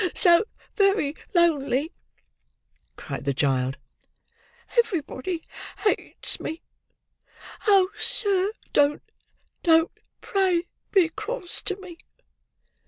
So very lonely!" cried the child. "Everybody hates me. Oh! sir, don't, don't pray be cross to me!"